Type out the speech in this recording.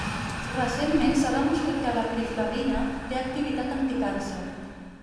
Recentment s'ha demostrat que l'acriflavina té activitat anticàncer.